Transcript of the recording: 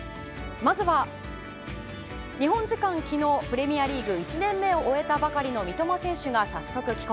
まずは日本時間昨日プレミアリーグ１年目を終えたばかりの三笘選手が早速帰国。